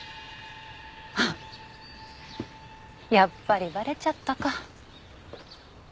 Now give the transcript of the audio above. やっぱりバレちゃったか。